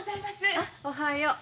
あおはよう。